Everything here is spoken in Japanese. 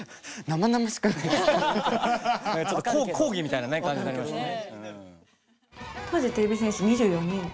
ちょっと講義みたいなね感じになりますよね。